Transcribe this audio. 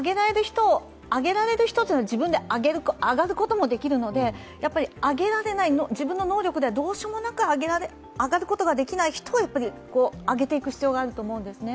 上げられる人というのは自分で上がることもできるので、自分の能力ではどうしようもなく上がることができない人を上げていく必要があると思うんですね。